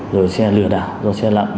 rồi xe lừa đảo xe lặm